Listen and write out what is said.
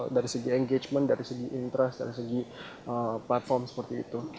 dari segi engagement dari segi interest dari segi platform seperti itu